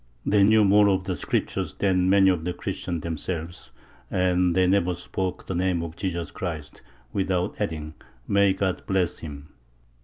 They knew more of the Scriptures than many of the Christians themselves, and they never spoke the name of Jesus Christ without adding, "May God bless him."